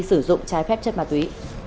sử dụng trái phép chất ma túy